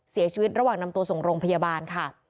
เสียชีวิตระหว่างนำตัวส่งโรงพยาบาลค่ะ